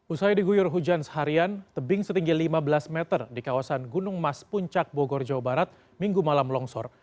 usai diguyur hujan seharian tebing setinggi lima belas meter di kawasan gunung mas puncak bogor jawa barat minggu malam longsor